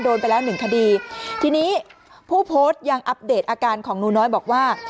โดนไปแล้วหนึ่งคดีทีนี้ผู้โพสต์ยังอัปเดตอาการของหนูน้อยบอกว่า